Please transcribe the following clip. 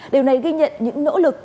điều này ghi nhận những nỗ lực